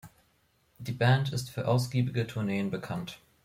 Die Band ist für ausgiebige Tourneen bekannt.